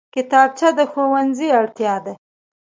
کتابچه د ښوونځي اړتیا ده